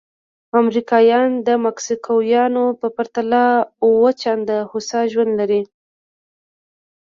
امریکایان د مکسیکویانو په پرتله اووه چنده هوسا ژوند لري.